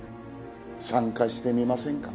参加してみませんか？